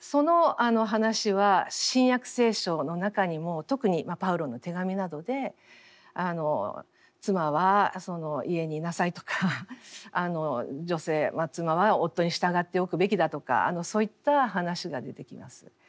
その話は「新約聖書」の中にも特にパウロの手紙などで妻は家にいなさいとか女性妻は夫に従っておくべきだとかそういった話が出てきます。